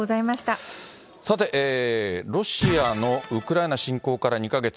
さて、ロシアのウクライナ侵攻から２か月。